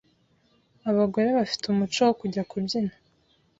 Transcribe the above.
abagore bafite umuco wo kujya kubyina